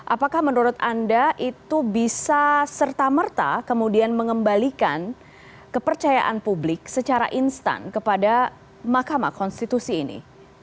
apakah menurut anda itu bisa serta merta kemudian mengembalikan kepercayaan publik secara instan kepada mahkamah konstitusi ini